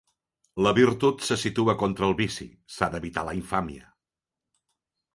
La "virtut" se situa contra el "vici", s'ha d'evitar la "infàmia".